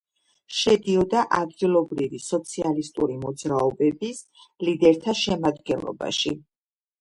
შედიოდა ადგილობრივი სოციალისტური მოძრაობების ლიდერთა შემადგენლობაში.